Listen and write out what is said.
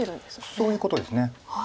そういうことです。